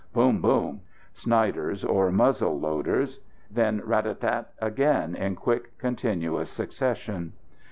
Boom! boom!... Sniders or muzzle loaders. Then Rat! tat! tat! again in quick, continuous succession.